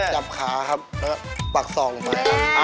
จับขาครับแล้วก็ปักส่องมา